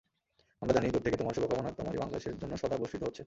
আমরা জানি, দূর থেকে তোমার শুভকামনা তোমারই বাংলাদেশের জন্য সদা বর্ষিত হচ্ছে।